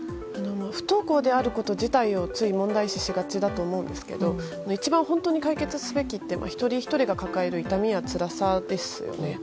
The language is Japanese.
不登校であること自体をつい問題視しがちだと思いますが一番本当に解決すべきって一人ひとりが抱える痛みやつらさですよね。